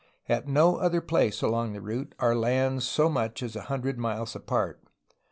At no other place along the route are lands so much as a hundred miles apart.